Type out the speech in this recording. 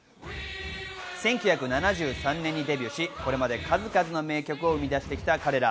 １９７３年にデビューし、これまで数々の名曲を生み出してきた彼ら。